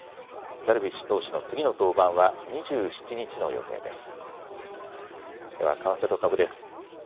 ダルビッシュ投手の次の登板は２７日の予定です。